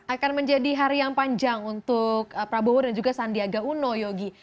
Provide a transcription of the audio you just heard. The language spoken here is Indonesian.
akan menjadi hari yang panjang untuk prabowo dan juga sandiaga uno yogi